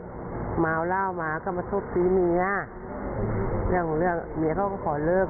กับเมียเขามาเอาล่าวมาก็มาโทษทีเมียเมียเขาก็ขอเลิก